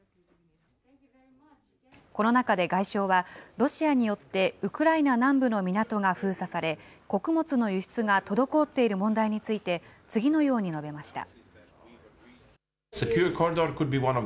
この中で外相は、ロシアによってウクライナ南部の港が封鎖され、穀物の輸出が滞っている問題について、次のように述べました。